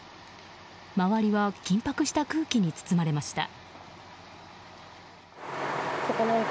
周りは緊迫した空気に包まれました。